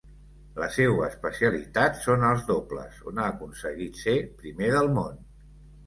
La seua especialitat són els dobles, on ha aconseguit ser primer del món.